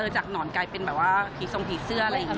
จากหนอนกลายเป็นผีทรงผีเสื้ออะไรอย่างนี้